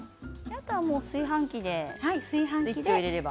あとは炊飯器でスイッチを入れれば。